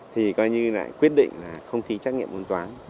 thì coi như lại quyết định là không thi trách nhiệm môn toán